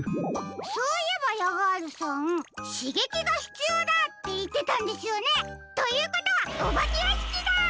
そういえばヤガールさん「しげきがひつようだ！」っていってたんですよね？ということはおばけやしきだ！